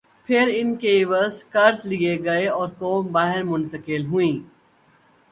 پھر ان کے عوض قرض لئے گئے اوررقوم باہر منتقل ہوئیں۔